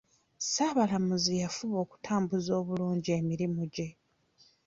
Ssaabalamuzi yafuba okutambuza obulungi emirimu gye